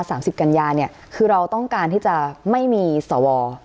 สามสิบกัญญาเนี่ยคือเราต้องการที่จะไม่มีสว